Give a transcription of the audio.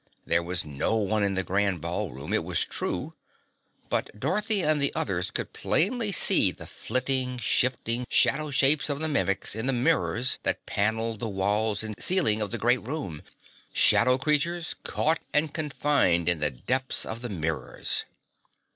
There was no one in the Grand Ballroom, it was true. But Dorothy and the others could plainly see the flitting, shifting shadow shapes of the Mimics in the mirrors that paneled the walls and ceiling of the great room shadow creatures caught and confined in the depths of the mirrors!